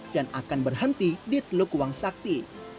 dan akan berhenti di teluk kuang sakti